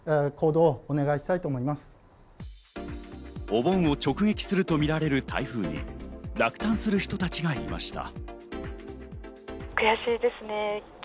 お盆を直撃するとみられる台風に落胆する人たちがいました。